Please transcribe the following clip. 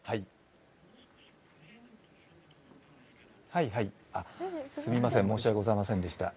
はい、はいすみません、申し訳ございませんでした。